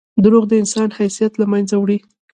• دروغ د انسان حیثیت له منځه وړي.